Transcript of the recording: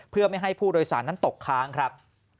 เพื่อไม่ให้ผู้โดยสารนั้นตกค้างครับ